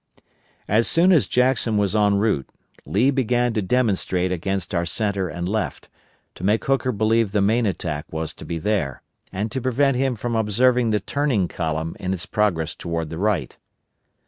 As soon as Jackson was en route, Lee began to demonstrate against our centre and left, to make Hooker believe the main attack was to be there, and to prevent him from observing the turning column in its progress toward the right.